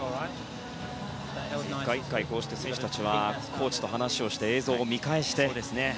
１回１回選手たちはコーチと話をして映像を見返して。